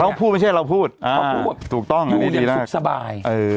เขาพูดไม่ใช่เราพูดเขาพูดถูกต้องอยู่อย่างสุขสบาย